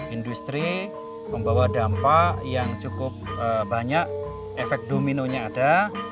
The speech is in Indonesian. industri membawa dampak yang cukup banyak efek dominonya ada